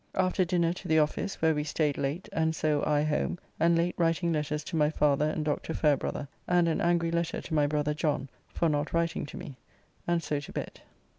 After dinner to the office, where we staid late, and so I home, and late writing letters to my father and Dr. Fairebrother, and an angry letter to my brother John for not writing to me, and so to bed.